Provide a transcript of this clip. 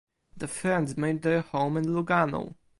The friends made their home in Lugano.